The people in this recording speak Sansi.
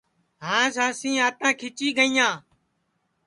ہانٚس ہانٚسی آنٚتاں کھِچی گئِییاں